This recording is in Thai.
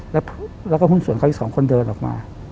แล้วก็หุ้นส่วนเขาอีกสองคนเดินออกมา